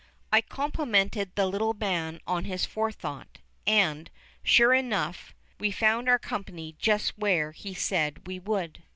I complimented the little man on his forethought, and, sure enough, we found our company just where he said we would.